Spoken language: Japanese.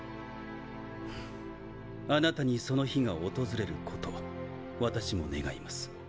あなたにその日が訪れること私も願います。